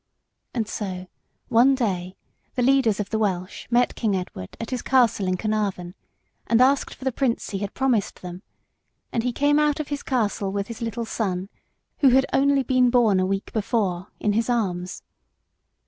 And so one day the leaders of the Welsh met King Edward at his castle in Caernarvon and asked for the Prince he had promised them, and he came out of his castle with his little son, who had only been born a week before, in his arms.